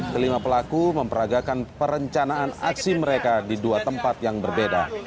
kelima pelaku memperagakan perencanaan aksi mereka di dua tempat yang berbeda